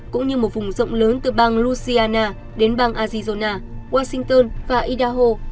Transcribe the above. cũng như một vùng rộng lớn từ bang louisiana đến bang arizona washington và idaho